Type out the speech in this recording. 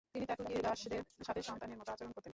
তিনি তার তুর্কি দাসদের সাথে সন্তানের মত আচরণ করতেন।